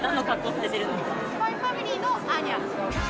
スパイファミリーのアーニャ。